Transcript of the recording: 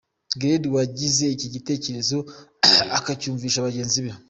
Geedz wagize iki gitekerezo, akacyumvisha bagenzi be.